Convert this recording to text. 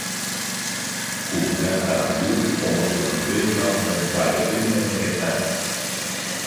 kuña arandu omotenonde ha omomombaretéva ñane retã